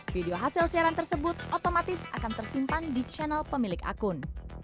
video hasil siaran tersebut otomatis akan tersimpan di channel pemilik akun